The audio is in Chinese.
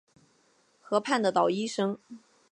河畔的捣衣声